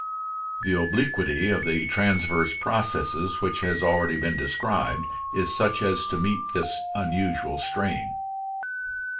The obliquity of the transverse processes which has already been described is such as to meet this unusual strain.